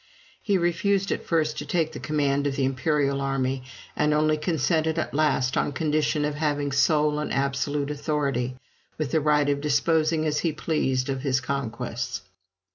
He refused at first to take the command of the imperial army, and only consented at last on condition of having sole and absolute authority, with the right of disposing as he pleased of his conquests.